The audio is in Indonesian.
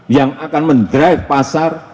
yang akan men drive pasar